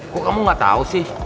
kok kamu gak tau sih